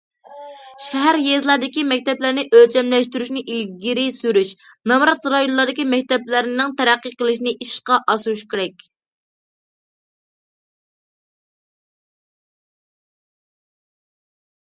شەھەر، يېزىلاردىكى مەكتەپلەرنى ئۆلچەملەشتۈرۈشنى ئىلگىرى سۈرۈش، نامرات رايونلاردىكى مەكتەپلەرنىڭ تەرەققىي قىلىشىنى ئىشقا ئاشۇرۇش كېرەك.